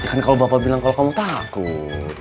kan kalau bapak bilang kalau kamu takut